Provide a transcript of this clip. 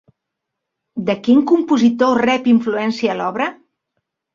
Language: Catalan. De quin compositor rep influència l'obra?